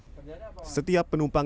setiap penumpang yang hendak berpengalaman